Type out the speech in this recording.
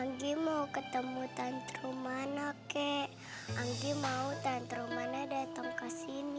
hai lagi mau ketemu tanterum mana kek anji mau tanterum manyai dateng kesini